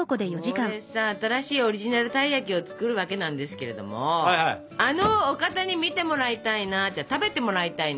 これさ「新しいオリジナルたい焼き」を作るわけなんですけれどもあのお方に見てもらいたいな食べてもらいたいなと思うわけ。